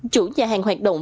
chủ nhà hàng hoạt động